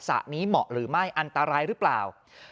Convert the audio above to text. สระนี้เหมาะหรือไม่อันตรายหรือเปล่า